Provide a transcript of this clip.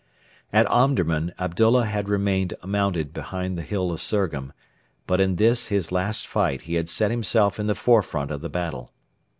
At Omdurman Abdullah had remained mounted behind the hill of Surgham, but in this his last fight he had set himself in the forefront of the battle.